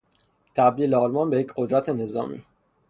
تبدیل آلمان به یک قدرت نظامی